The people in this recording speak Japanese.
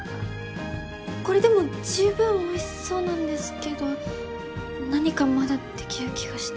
これでもじゅうぶんおいしそうなんですけど何かまだできる気がして。